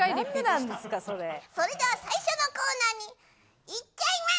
それでは最初のコーナーに行っちゃいま